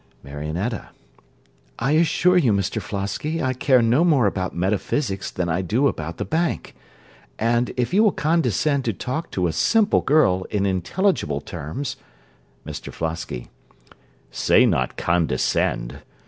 MARIONETTA I assure you, Mr Flosky, I care no more about metaphysics than I do about the bank; and, if you will condescend to talk to a simple girl in intelligible terms MR FLOSKY Say not condescend!